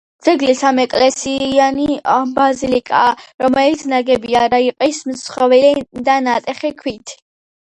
ძეგლი სამეკლესიიანი ბაზილიკაა, რომელიც ნაგებია რიყის მსხვილი და ნატეხი ქვით.